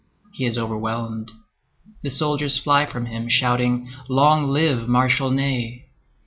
He is overwhelmed. The soldiers fly from him, shouting, "Long live Marshal Ney!"